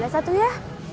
lima belas satu ya